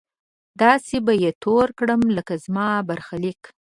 داسې به يې تور کړم لکه زما برخليک